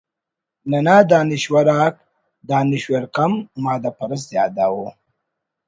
ننا دانشور آک دانشور کم مادہ پرست زیادہ ءُ